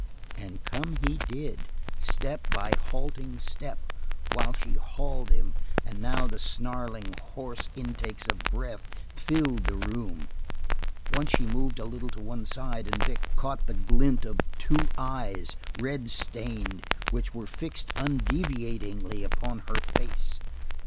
And come he did, step by halting step, while she hauled him, and now the snarling hoarse intakes of breath filled the room. Once she moved a little to one side and Vic caught the glint of two eyes, red stained, which were fixed undeviatingly upon her face.